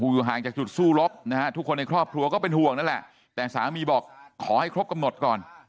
อยู่ห่างจากจุดสู้รบนะฮะทุกคนในครอบครัวก็เป็นห่วงนั่นแหละแต่สามีบอกขอให้ครบกำหนดก่อน